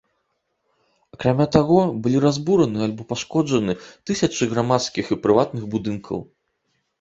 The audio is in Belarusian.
Акрамя таго, былі разбураны альбо пашкоджаны тысячы грамадскіх і прыватных будынкаў.